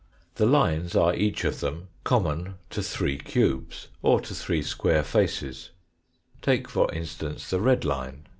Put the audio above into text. The lines are each of them common to three cubes, or to three square faces; take, for instance, the red line.